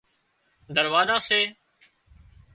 دروازا سي